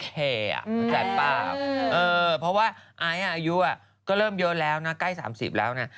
เข้าใจป่ะเออเพราะว่าไออายุก็เริ่มเยอะแล้วนะ